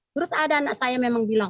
terus ada anak saya memang bilang